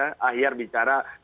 nanti kalau terpilih ya pasti